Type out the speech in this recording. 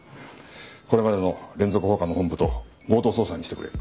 これまでの連続放火の本部と合同捜査にしてくれ。